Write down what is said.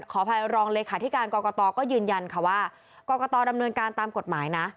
ขออภัยรองเลขาธิการกรกตก็ยืนยันค่ะว่ากรกตดำเนินการตามกฎหมายนะ